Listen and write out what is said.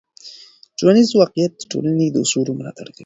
ټولنیز واقیعت د ټولنې د اصولو ملاتړ کوي.